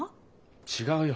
違うよ。